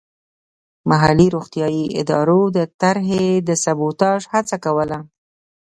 محلي روغتیايي ادارو د طرحې د سبوتاژ هڅه کوله.